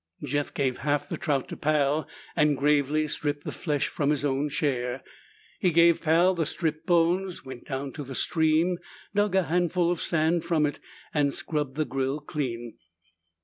Jeff gave half the trout to Pal and gravely stripped the flesh from his own share. He gave Pal the stripped bones, went down to the stream, dug a handful of sand from it, and scrubbed the grill clean.